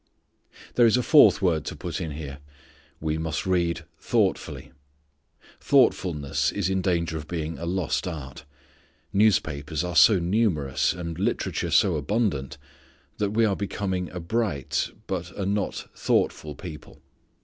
There is a fourth word to put in here. We must read thoughtfully. Thoughtfulness is in danger of being a lost art. Newspapers are so numerous, and literature so abundant, that we are becoming a bright, but a not thoughtful people.